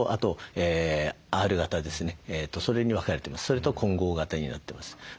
それと混合型になってます。